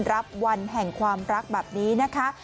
รับวันแห่งความรักแบบนี้นะคะ